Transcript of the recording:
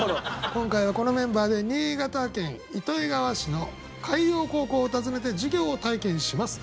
今回はこのメンバーで新潟県糸魚川市の海洋高校を訪ねて授業を体験します。